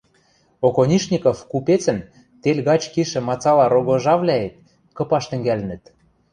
Оконишников купецӹн тел гач кишӹ мацала рогожавлӓэт кыпаш тӹнгӓлӹнӹт.